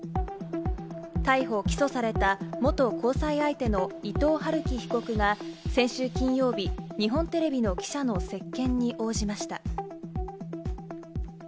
逮捕・起訴された元交際相手の伊藤龍稀被告が先週金曜日、日本テレビの記者の接見に応じました。